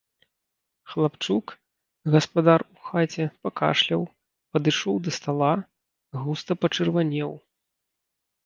Хлапчук, гаспадар у хаце, пакашляў, падышоў да стала, густа пачырванеў.